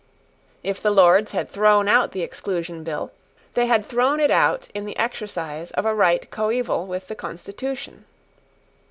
If the Lords had thrown out the Exclusion Bill, they had thrown it out in the exercise of a right coeval with the constitution.